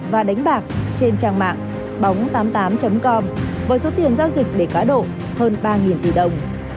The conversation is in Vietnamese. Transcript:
và đánh bạc trên trang mạng bóng tám mươi tám com với số tiền giao dịch để cá độ hơn ba tỷ đồng